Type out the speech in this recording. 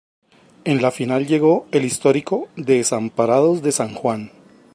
En la final, llegó el histórico Desamparados de San Juan.